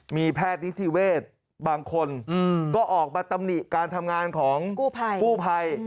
มีแพทย์นิติเวศบางคนก็ออกมาตำหนิการทำงานของกู้ภัย